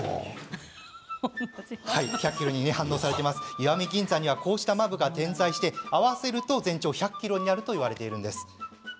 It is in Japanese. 石見銀山にはこうした間歩が点在し合わせると全長１００ｋｍになるといわれています。